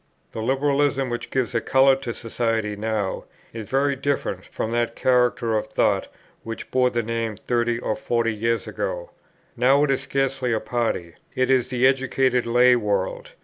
The Liberalism which gives a colour to society now, is very different from that character of thought which bore the name thirty or forty years ago. Now it is scarcely a party; it is the educated lay world.